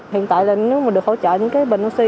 hiện tại nếu mình được hỗ trợ những cái bệnh oxy